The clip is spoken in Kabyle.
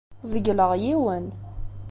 Zegleɣ yiwen.